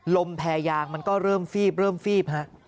ลมแพยางมันก็เริ่มฟีบครับ